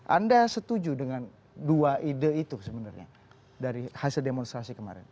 anda setuju dengan dua ide itu sebenarnya dari hasil demonstrasi kemarin